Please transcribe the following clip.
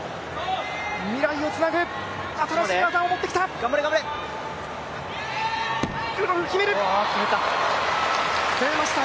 未来をつなぐ新しい技を持ってきた。